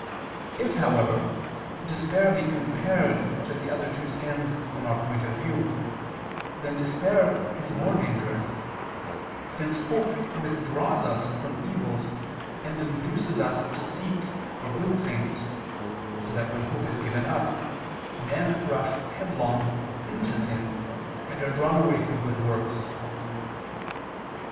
If, however, despair be compared to the other two sins from our point of view, then despair is more dangerous, since hope withdraws us from evils and induces us to seek for good things, so that when hope is given up, men rush headlong into sin, and are drawn away from good works.